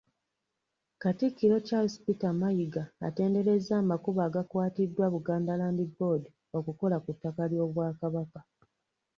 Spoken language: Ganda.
Katikkiro Charles Peter Mayiga atenderezza amakubo agakwatiddwa Buganda Land Board okukola ku ttaka ly’Obwakabaka.